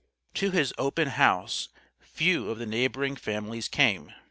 To his "open house" few of the neighboring families came.